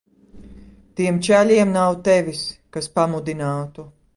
Tiem čaļiem nav tevis, kas pamudinātu.